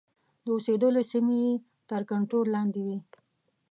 د اوسېدلو سیمې یې تر کنټرول لاندي وې.